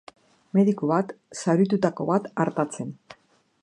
Mediku bat, zauritutako bat artatzen.